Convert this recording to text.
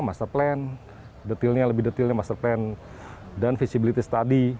master plan detailnya lebih detailnya master plan dan visibility study